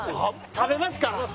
食べますか。